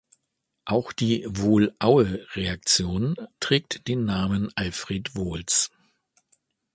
Auch die Wohl-Aue-Reaktion trägt den Namen Alfred Wohls.